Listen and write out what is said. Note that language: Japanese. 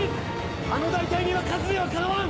あの大隊には数ではかなわん！